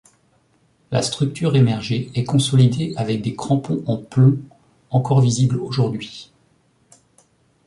La structure émergée est consolidée avec des crampons en plomb encore visibles aujourd'hui.